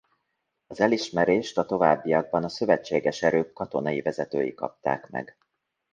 Az elismerést a továbbiakban a szövetséges erők katonai vezetői kapták meg.